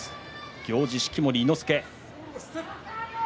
行司式守伊之助。